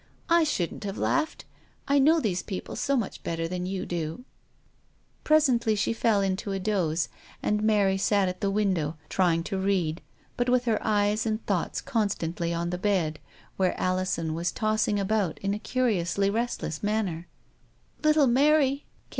" I shouldn't have laughed. I know these people so much better than you do." ALISON ARRANGES A MATCH. 259 Presently she fell into a doze, and Mary sat at the window, trying to read, but with her eyes and thoughts constantly on the bed, where Alison was tossing about in a curiously restless manner. " Little Mary